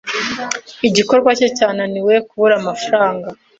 Igikorwa cye cyananiwe kubura amafaranga.